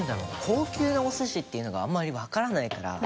高級なお寿司っていうのがあんまりわからないから。